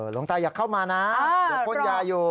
หลวงตาอยากเข้ามานะเดี๋ยวพ่นยาอยู่